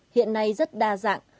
hiện nay rất đa dạng